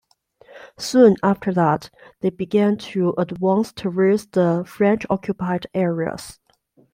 Soon after that, they began to advance towards the French-occupied areas.